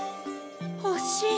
ほしい。